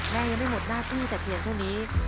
ยังไม่หมดหน้าที่แต่เพียงเท่านี้